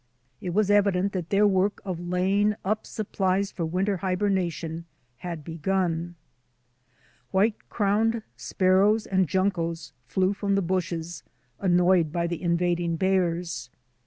It was evident that their work of laying up supplies for winter hibernation had begun. White crowned sparrows and juncos flew froxii the bushes, annoyed by the invading bears.